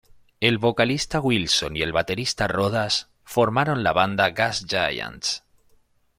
El vocalista Wilson y el baterista Rodas formaron la banda Gas Giants.